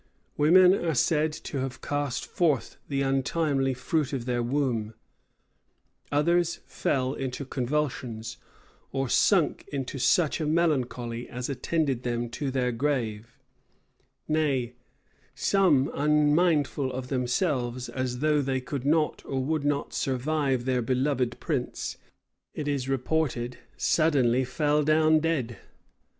Women are said to have cast forth the untimely fruit of their womb: others fell into convulsions, or sunk into such a melancholy as attended them to their grave: nay, some, unmindful of themselves, as though they could not or would not survive their beloved prince, it is reported, suddenly fell down dead.